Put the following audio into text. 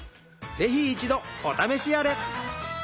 ぜひ一度お試しあれ！